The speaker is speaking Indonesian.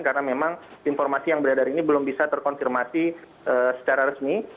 karena memang informasi yang beredar ini belum bisa terkonsirmasi secara resmi